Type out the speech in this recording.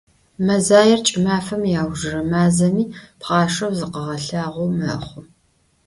Мэзаер кӏымафэм иаужырэ мазэми, пхъашэу зыкъыгъэлъагъоу мэхъу.